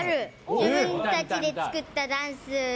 自分たちで作ったダンス。